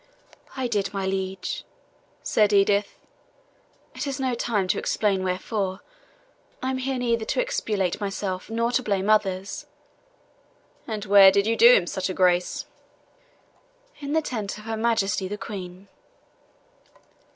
"I did, my liege," said Edith. "It is no time to explain wherefore. I am here neither to exculpate myself nor to blame others." "And where did you do him such a grace?" "In the tent of her Majesty the Queen."